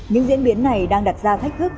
những diễn biến này đang đặt ra thách thức